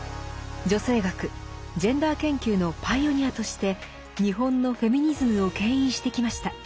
女性学ジェンダー研究のパイオニアとして日本のフェミニズムを牽引してきました。